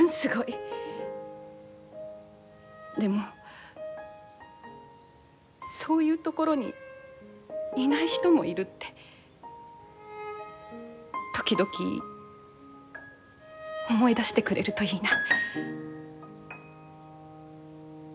でもそういうところにいない人もいるって時々思い出してくれるといいな。